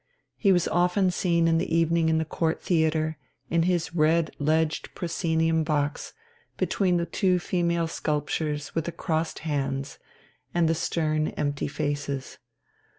He was often seen in the evening in the Court Theatre, in his red ledged proscenium box between the two female sculptures with the crossed hands and the stern, empty faces.